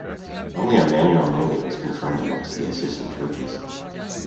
Only Emanuele Molin was confirmed amongst the assistant coaches.